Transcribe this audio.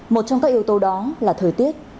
một trong các yếu tố đó là thời tiết